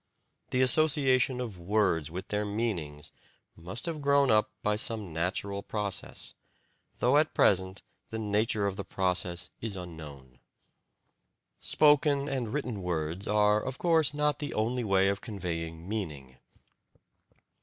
The association of words with their meanings must have grown up by some natural process, though at present the nature of the process is unknown. Spoken and written words are, of course, not the only way of conveying meaning.